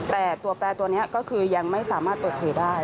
แต่ตัวแปรตัวนี้ก็คือยังไม่สามารถเปิดเผยได้